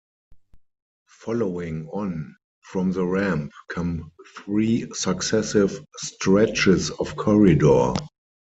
Following on from the ramp come three successive stretches of corridor.